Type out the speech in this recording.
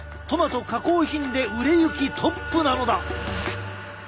トマト加工品で売れ行きトップなのだ！